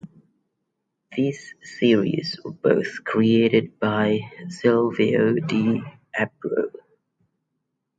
These series were both created by Silvio de Abreu.